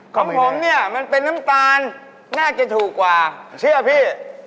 ของผมเนี่ยมันเป็นน้ำตาลน่าจะถูกกว่าเชื่อพี่